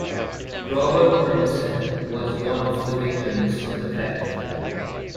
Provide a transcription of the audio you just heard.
Robert Emerson was one of the victims of the crash.